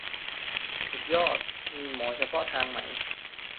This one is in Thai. สุดยอด มีหมอเฉพาะทางไหม ?